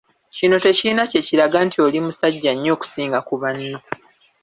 Kino tekirina kye kiraga nti oli musajja nnyo okusinga ku banno.